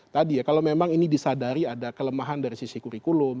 tadi ya kalau memang ini disadari ada kelemahan dari sisi kurikulum